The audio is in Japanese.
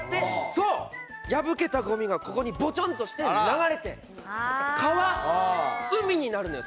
破けたごみがここにボチョンとして流れて川海になるのよ